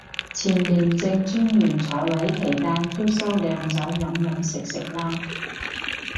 前廉政專員在位期間都收靚酒飲飲食食啦